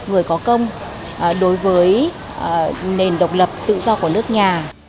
người có công đối với nền độc lập tự do của nước nhà